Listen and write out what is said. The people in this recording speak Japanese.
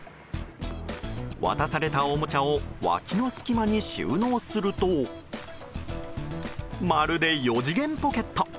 渡されたおもちゃを脇の隙間に収納するとまるで４次元ポケット。